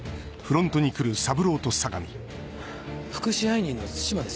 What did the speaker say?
副支配人の対馬です